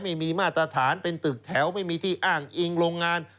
ไม่มีมาตรฐานเป็นตึกแถวไม่มีที่อ้างอิงโรงงาน